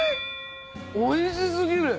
おいし過ぎる。